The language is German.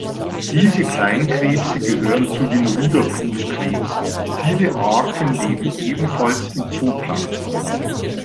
Diese Kleinkrebse gehören zu den Ruderfußkrebsen, viele Arten leben ebenfalls im Zooplankton.